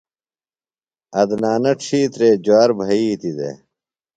عدنانہ ڇِھیترے جُوار بھئیتیۡ دےۡ۔